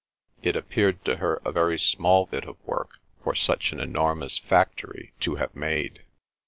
It appeared to her a very small bit of work for such an enormous factory to have made.